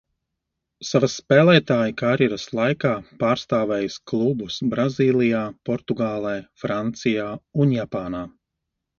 Savas spēlētāja karjeras laikā pārstāvējis klubus Brazīlijā, Portugālē, Francijā un Japānā.